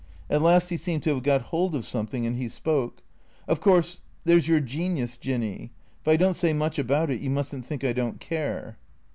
At last he seemed to have got hold of something, and he spoke. " Of course, there 's your genius, Jinny. If I don't say much about it, you must n't think I don't care."